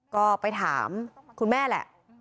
ก็ไปถามคุณแม่แหละ